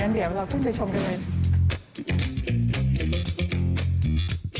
เดี๋ยวเราขึ้นไปชมด้วย